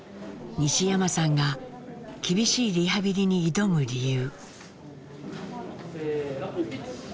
西山さんが厳しいリハビリに挑む理由。